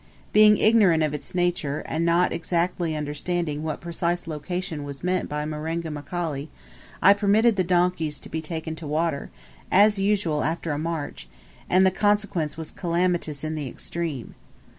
Being ignorant of its nature, and not exactly understanding what precise location was meant by Marenga Mkali, I permitted the donkeys to be taken to water, as usual after a march; and the consequence was calamitous in the extreme.